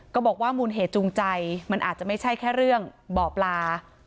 บอกว่ามูลเหตุจูงใจมันอาจจะไม่ใช่แค่เรื่องบ่อปลา